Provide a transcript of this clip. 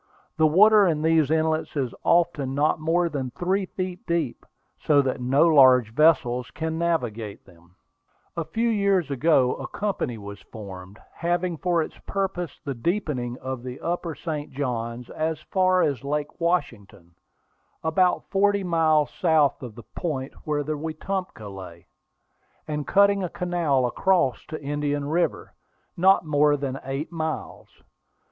The water in these inlets is often not more than three feet deep, so that no large vessels can navigate them. [Illustration: AN EXPEDITION TO INDIAN RIVER. Page 292.] A few years ago a company was formed, having for its purpose the deepening of the upper St. Johns as far as Lake Washington, about forty miles south of the point where the Wetumpka lay, and cutting a canal across to Indian River, not more than eight miles.